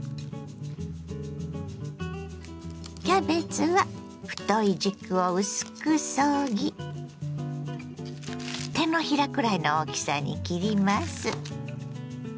キャベツは太い軸を薄くそぎ手のひらくらいの大きさに切ります。